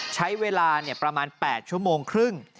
ใช้เวลาประมาณ๘ชั่วโมงครึ่ง